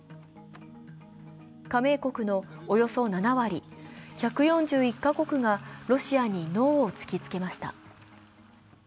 加盟国のおよそ７割、１４１カ国がロシアにノーを突きつけました。